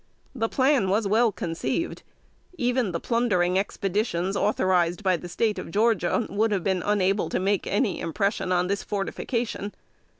The plan was well conceived. Even the plundering expeditions authorized by the State of Georgia, would have been unable to make any impression on this fortification.